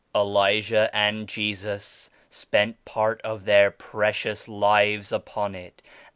Elijah and Jesus spent part of their precious lives upon it.